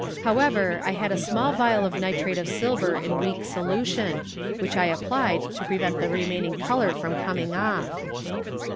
However, I had a small vial of nitrate of silver in weak solution, which I applied to prevent the remaining color from coming off.